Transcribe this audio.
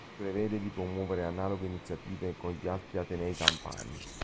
Si prevede di promuovere analoghe iniziative con gli altri atenei campani.